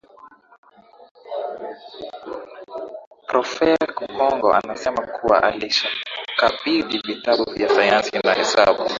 Profeaq Muhongo anasema kuwa alishakabidhi vitabu vya Sayansi na Hesabu